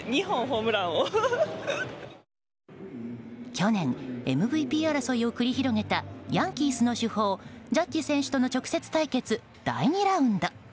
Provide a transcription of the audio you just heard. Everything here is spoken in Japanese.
去年、ＭＶＰ争いを繰り広げたヤンキースの主砲ジャッジ選手との直接対決第２ラウンド。